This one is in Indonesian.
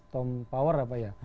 tom power apa ya